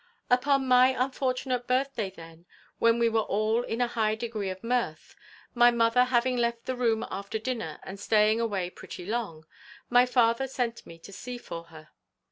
"Upon my unfortunate birthday, then, when we were all in a high degree of mirth, my mother having left the room after dinner, and staying away pretty long, my father sent me to see for her.